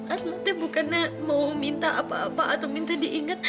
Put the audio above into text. asma tuh bukan mau minta apa apa atau minta diingat